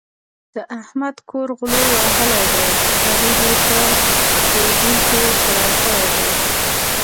د احمد کور غلو وهلی دی؛ غريب يې په کودي کې حلال کړی دی.